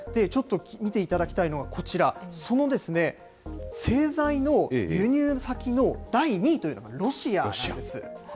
ちょっと見ていただきたいのがこちら、その製材の輸入先の第２位というのがロシアなんです。